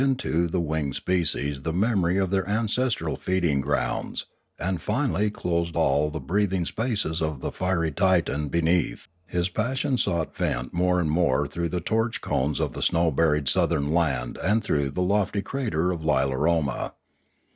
into the winged species the memory of their ancestral feeding grounds, and finally closed all the breathing spaces of the fiery Titan be neath, his passion sought vent more and more through the torch cones of the snow buried southern land and through the lofty crater of Lilaroma.